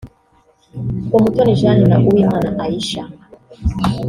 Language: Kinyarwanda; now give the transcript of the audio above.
Umutoni Jane na Uwimana Aisha